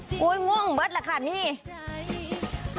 สวัสดีค่ะรุ่นก่อนเวลาเหนียวกับดาวสุภาษฎรามมาแล้วค่ะ